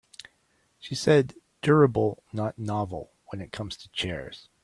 She said durable not novel when it comes to chairs.